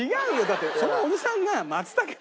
だってそのおじさんが。